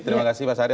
terima kasih pak sary